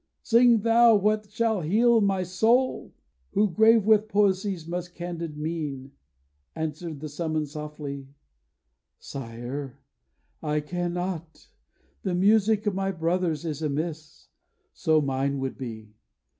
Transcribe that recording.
sing thou what shall heal my soul.' Who, grave with poesy's most candid mien, Answered the summons softly: 'Sire, I cannot. The music of my brothers is amiss, So mine would be.